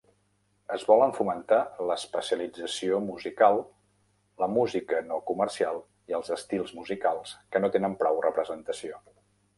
Es volen fomentar l'especialització musical, la música no comercial i els estils musicals que no tenen prou representació.